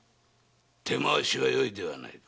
手回しがよいではないか。